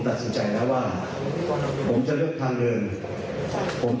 ตัดสินใจแล้วว่าผมจะเลือกทางเดินผมจะเลือกเสร็จทางการเงิน